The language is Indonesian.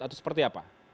itu seperti apa